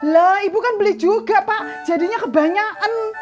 lah ibu kan beli juga pak jadinya kebanyaan